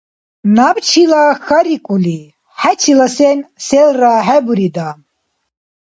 Набчила хьарикӀули, хӀечила сен селра хӀебурида?